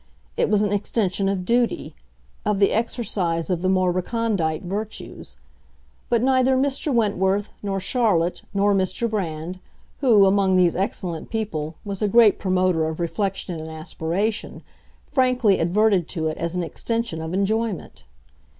It was an extension of duty, of the exercise of the more recondite virtues; but neither Mr. Wentworth, nor Charlotte, nor Mr. Brand, who, among these excellent people, was a great promoter of reflection and aspiration, frankly adverted to it as an extension of enjoyment.